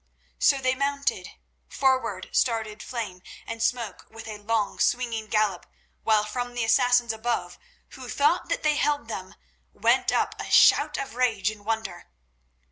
So they mounted. Forward started Flame and Smoke with a long, swinging gallop, while from the Assassins above, who thought that they held them, went up a shout of rage and wonder.